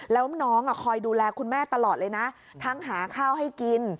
แล้วน้องคอยดูแลคุณแม่ตลอดเลยนะทั้งหาข้าวให้กิน